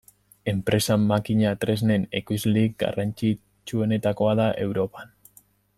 Enpresa makina-tresnen ekoizlerik garrantzitsuenetakoa da Europan.